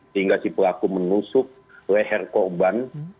sehingga si pelaku menusuk leher korban